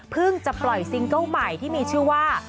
จะปล่อยซิงเกิ้ลใหม่ที่มีชื่อว่า